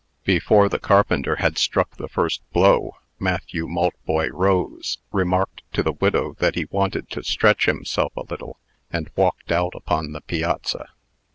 Before the carpenter had struck the first blow, Matthew Maltboy rose, remarked to the widow that he wanted to stretch himself a little, and walked out upon the piazza.